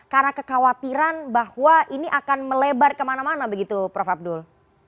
karena kekhawatiran bahwa ini akan melebar kemana mana begitu prof abdul